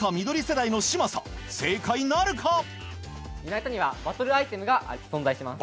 『ユナイト』にはバトルアイテムが存在します。